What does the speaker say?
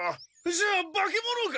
じゃあ化け物か？